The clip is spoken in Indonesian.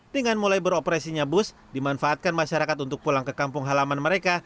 dengan mulai beroperasinya bus dimanfaatkan masyarakat untuk pulang ke kampung halaman mereka